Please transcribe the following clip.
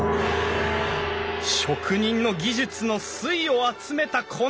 職人の技術の粋を集めたこの天井！